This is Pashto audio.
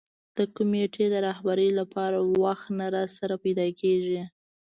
د کمېټې د رهبرۍ لپاره وخت نه راسره پیدا کېږي.